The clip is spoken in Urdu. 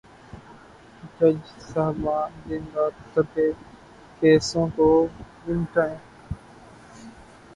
جج صاحبان دن رات کر کے کیسوں کو نمٹائیں۔